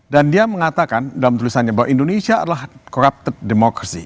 dan dia mengatakan dalam tulisannya bahwa indonesia adalah corrupted democracy